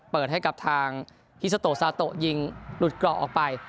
เปิดให้กับทางฮิซาโตซาโตะยิงหลุดเกราะออกไป